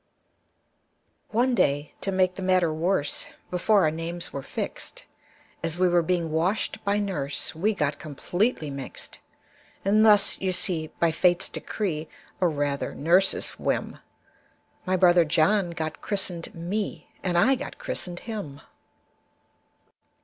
One day, to make the matter worse, Before our names were fixed, As we were being washed by nurse, We got completely mixed; And thus, you see, by fate's decree, Or rather nurse's whim, My brother John got christened me, And I got christened him.